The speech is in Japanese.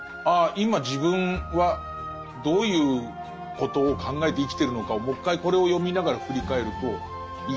今自分はどういうことを考えて生きてるのかをもう一回これを読みながら振り返るといいかなという。